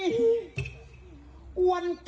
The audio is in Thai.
ที่พระเศรษฐ์สดสวย